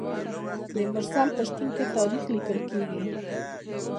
د مرسل په شتون کې تاریخ لیکل کیږي.